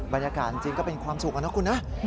บรรยากาศจริงก็เป็นความสุขนะคุณนะ